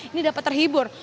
ini dapat terhibur